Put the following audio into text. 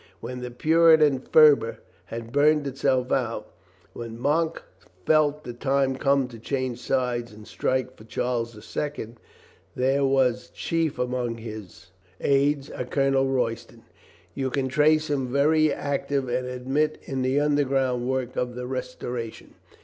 When the Puritan fervor had burned itself out, when Monck felt the time come to change sides and strike for Charles II, there was chief among his 442 COLONEL GREATHEART aides a Colonel Royston. You can trace him very active and adroit in the underground work of the Restoration.